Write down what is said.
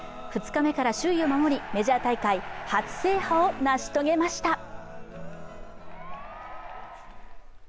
２日目から首位を守り、メジャー大会初制覇を成し遂げました。